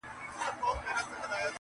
په دې پانوس کي نصیب زر ځله منلی یمه.!